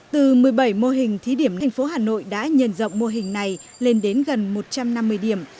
từ một mươi bảy mô hình thí điểm thành phố hà nội đã nhận rộng mô hình này lên đến gần một trăm năm mươi điểm